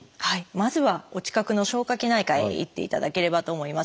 まずはお近くの消化器内科へ行っていただければと思います。